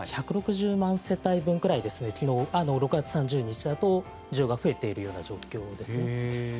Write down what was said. １６０万世帯分くらい昨日、６月３０日だと需要が増えているような状況です。